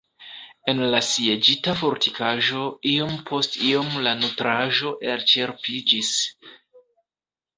En la sieĝita fortikaĵo iom post iom la nutraĵo elĉerpiĝis.